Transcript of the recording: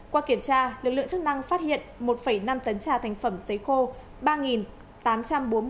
qua kiểm tra lực lượng chức năng phát hiện một năm tấn trà thành phẩm giấy khô